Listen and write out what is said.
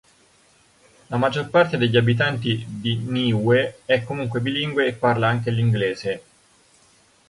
La maggior parte degli abitanti di Niue è comunque bilingue e parla anche l'inglese.